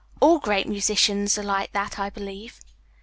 All great musicians are like that, I believe."